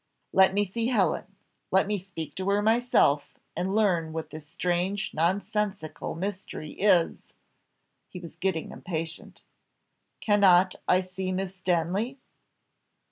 "Let me see Helen, let me speak to her myself, and learn what this strange nonsensical mystery is." He was getting impatient. "Cannot I see Miss Stanley?"